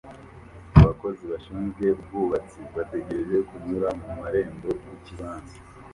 Abakozi bashinzwe ubwubatsi bategereje kunyura mumarembo yikibanza